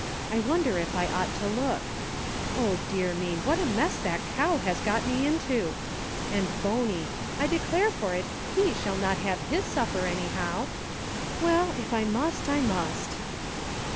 I wonder if I ought to look } O, dear me, what a mess that cow has got me into ! And Bony, I declare for it, he shall not have his sup per, anyhow ! Well, if I must, I must."